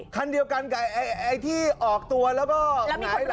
คันเดียวกันกับไอไอไอที่ออกตัวแล้วก็แล้วมีคนร่วงอ่ะ